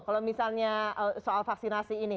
kalau misalnya soal vaksinasi ini